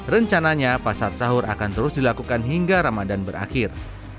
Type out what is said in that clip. rencananya pasar sahur akan terus dilakukan hingga ramadan berakhir